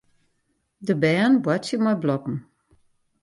De bern boartsje mei blokken.